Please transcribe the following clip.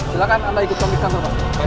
silahkan anda ikut kami ke kantor pak